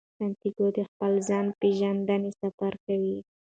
سانتیاګو د خپل ځان پیژندنې سفر کوي.